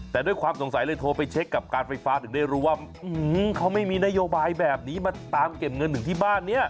แต่ด้วยความสงสัยเลยโทรไปเช็คกับการไฟฟ้าถึงได้รู้ว่าเขาไม่มีนโยบายแบบนี้มาตามเก็บเงินถึงที่บ้านเนี่ย